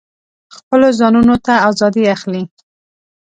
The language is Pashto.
خپلو ځانونو ته آزادي اخلي.